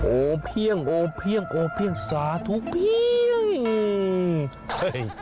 โอเพียงโอเพียงโอเพียงสาธุเพียง